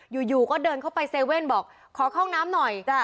อยู่ก็เดินเข้าไปเซเว่นบอกขอเข้าน้ำหน่อย